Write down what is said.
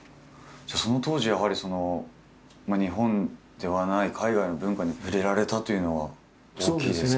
じゃあその当時やはり日本ではない海外の文化に触れられたというのは大きいですか？